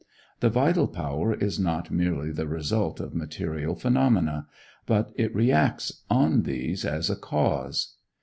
The vital power is not merely the result of material phenomena, but it reacts on these as a cause.